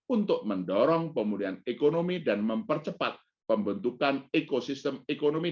untuk mendorong pemulihan ekonomi dan mempercepat pembentukan ekosistem ekonomi